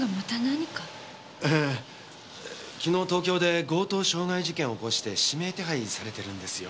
ええ昨日東京で強盗傷害事件を起こして指名手配されてるんですよ。